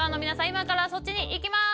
今からそっちに行きまーす！